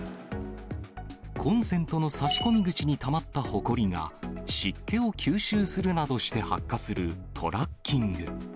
コンセントの差し込み口にたまったほこりが湿気を吸収するなどして発火するトラッキング。